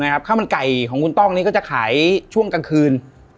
ข้าวมันไก่ของคุณต้องนี่ก็จะขายช่วงกลางคืน